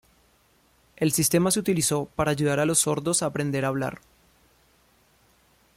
El sistema se utilizó para ayudar a los sordos a aprender a hablar.